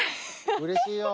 うれしいよ。